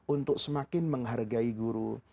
untuk semakin menghargai guru